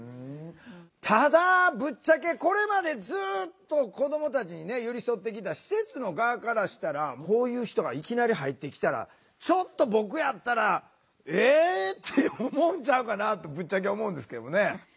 ただぶっちゃけこれまでずっと子どもたちに寄り添ってきた施設の側からしたらこういう人がいきなり入ってきたらちょっと僕やったら「えっ？」って思うんちゃうかなってぶっちゃけ思うんですけどね。